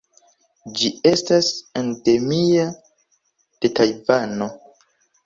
Ĝi estas endemia de Tajvano.